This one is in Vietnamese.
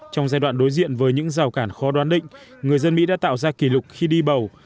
trong giai đoạn đối diện với những rào cản khó đoán định người dân mỹ đã tạo ra kỷ lục khi đi bầu